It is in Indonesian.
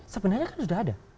sebenarnya kan sudah ada